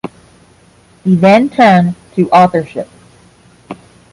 He then turned to authorship.